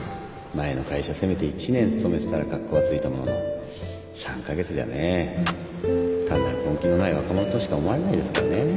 前の会社せめて１年勤めてたらカッコがついたものの３カ月じゃね単なる根気のない若者としか思われないですからね